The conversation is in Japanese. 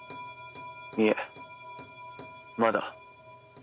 いえまだ。